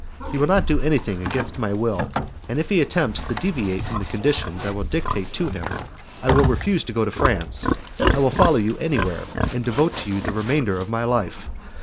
He shall not do anything against my will, and if he attempts to deviate from the conditions I will dictate to him, I will refuse to go to France, I will follow you anywhere, and devote to you the remainder of my life.